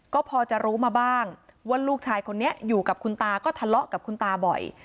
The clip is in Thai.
ก็พอจะรู้มาบ้างว่าลูกชายคนนี้อยู่กับคุณตาก็ทะเลาะกับคุณตาบ่อย